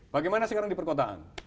bagaimana sekarang di perkotaan